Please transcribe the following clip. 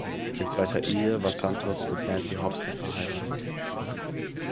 In zweiter Ehe war Santos mit Nancy Hobson verheiratet.